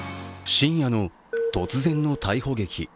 深夜の突然の逮捕劇。